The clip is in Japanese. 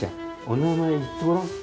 お名前言ってごらん。